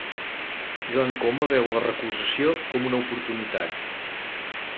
Joan Coma veu la recusació com una oportunitat